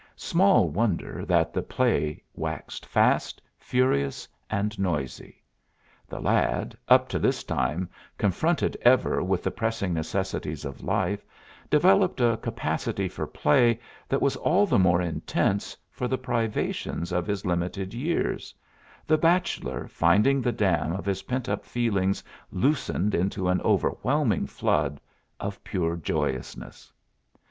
Small wonder that the play waxed fast, furious, and noisy. The lad, up to this time confronted ever with the pressing necessities of life, developed a capacity for play that was all the more intense for the privations of his limited years; the bachelor finding the dam of his pent up feelings loosened into an overwhelming flood of pure joyousness.